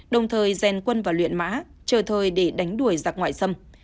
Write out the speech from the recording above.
đồng thời rèn quân và luyện mã chờ thời để đánh đuổi giặc ngoại xâm